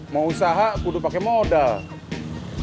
mau usaha kudu pakai modal